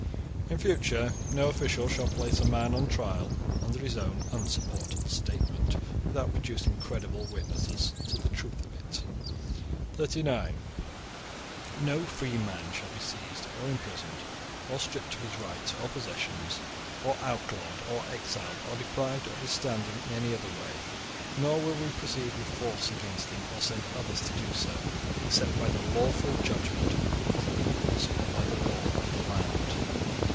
(38) In future no official shall place a man on trial upon his own unsupported statement, without producing credible witnesses to the truth of it. (39) No free man shall be seized or imprisoned, or stripped of his rights or possessions, or outlawed or exiled, or deprived of his standing in any other way, nor will we proceed with force against him, or send others to do so, except by the lawful judgement of his equals or by the law of the land.